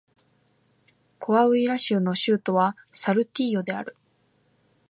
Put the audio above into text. コアウイラ州の州都はサルティーヨである